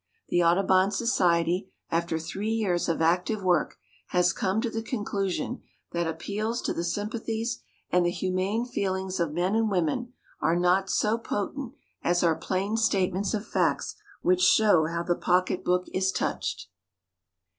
The Audubon Society, after three years of active work, has come to the conclusion that appeals to the sympathies, and the humane feelings of men and women, are not so potent as are plain statements of facts which show how the pocketbook is touched.